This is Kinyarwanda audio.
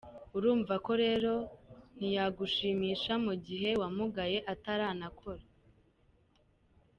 Urumva ko rero ntiyagushimisha mugihe wamugaye ataranakora.